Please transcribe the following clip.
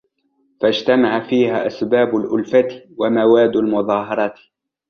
فَاجْتَمَعَ فِيهَا أَسْبَابُ الْأُلْفَةِ وَمَوَادُّ الْمُظَاهَرَةِ